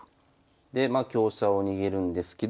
でまあ香車を逃げるんですけど。